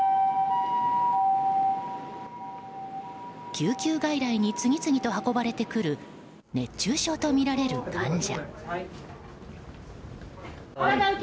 救急外来に次々と運ばれてくる熱中症とみられる患者。